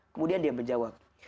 kemudian dia menjawab